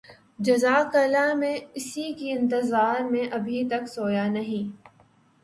جزاک اللہ میں اسی کے انتظار میں ابھی تک سویا نہیں